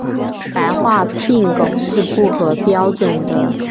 白化病狗是不合标准的。